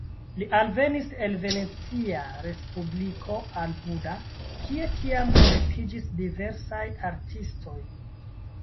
Li alvenis el Venecia respubliko al Buda, kie tiam kolektiĝis diversaj artistoj.